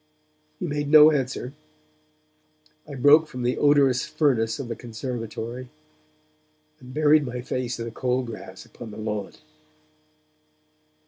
He made no answer; I broke from the odorous furnace of the conservatory, and buried my face in the cold grass upon the lawn.